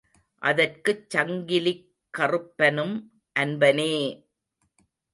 அதற்குச் சங்கிலிக்கறுப்பனும் அன்பனே!